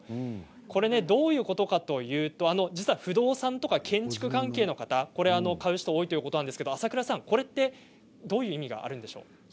どういうことかといいますと実は不動産とか建築関係の方買う人が多いということなんですが、これはどういう意味があるんですか！